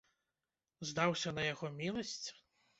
Здаўся на яго міласць?